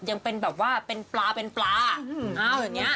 ยังเป็นแบบว่าเป็นปลานะอย่างนี้